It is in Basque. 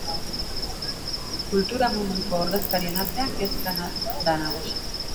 Kultura munduko ordezkarien artean kezka da nagusi.